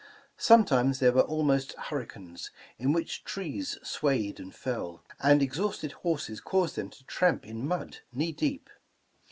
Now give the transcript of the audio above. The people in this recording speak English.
Sometimes there were almost hurricanes, in which trees swayed and fell, and exhausted horses caused them to tramp in mud knee deep.